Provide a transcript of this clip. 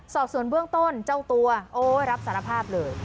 สอบส่วนเบื้องต้นเจ้าตัวโอ้ยรับสารภาพเลย